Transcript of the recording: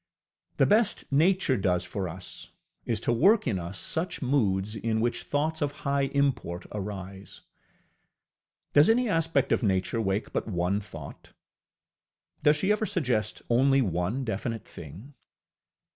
The best Nature does for us is to work in us such moods in which thoughts of high import arise. Does any aspect of Nature wake but one thought? Does she ever suggest only one definite thing?